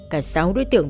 cả sáu đối tượng